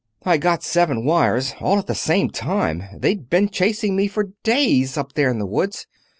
"I got seven wires, all at the same time. They'd been chasing me for days, up there in the woods.